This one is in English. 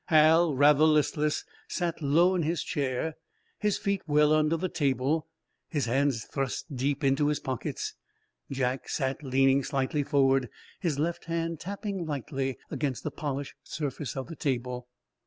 Hal, rather listless, sat low in his chair, his feet well under the table, his hands thrust deep in his pockets. Jack sat leaning slightly forward, his left hand tapping lightly against the polished surface of the table.